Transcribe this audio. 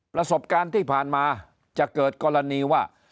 ประสบการณ์ที่ผ่านมาจะเกิดกรณีว่า